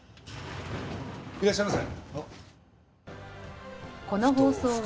いらっしゃいませ！